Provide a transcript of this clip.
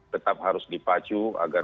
tetap harus dipacu